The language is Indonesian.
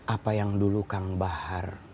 apa yang dulu kang bahar